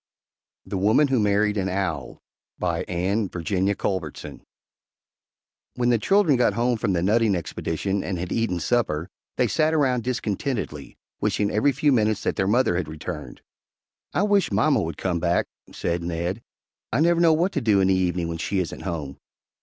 THE WOMAN WHO MARRIED AN OWL BY ANNE VIRGINIA CULBERTSON When the children got home from the nutting expedition and had eaten supper, they sat around discontentedly, wishing every few minutes that their mother had returned. "I wish mamma would come back," said Ned. "I never know what to do in the evening when she isn't home."